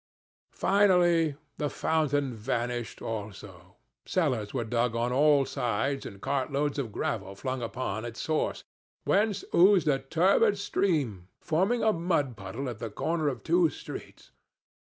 Finally the fountain vanished also. Cellars were dug on all sides and cart loads of gravel flung upon its source, whence oozed a turbid stream, forming a mud puddle at the corner of two streets.